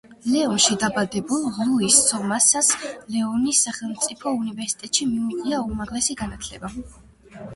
ლეონში დაბადებულ ლუის სომოსას ლეონის სახელმწიფო უნივერსიტეტში მიუღია უმაღლესი განათლება.